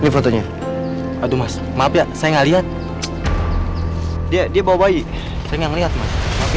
ini fotonya aduh mas maaf ya saya ngelihat dia dia bawa bayi saya ngelihat mas